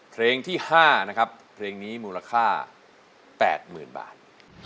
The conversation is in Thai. เพลงที่๕นะครับเพลงนี้มูลค่า๘๐๐๐บาท